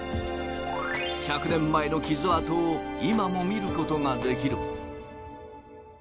１００年前の傷跡を今も見ることができる。